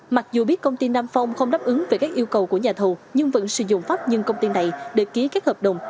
mặc dù biết công ty nam phong không đáp ứng về các yêu cầu của nhà thầu nhưng vẫn sử dụng pháp nhân công ty này để ký các hợp đồng